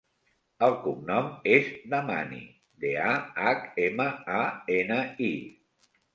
El cognom és Dahmani: de, a, hac, ema, a, ena, i.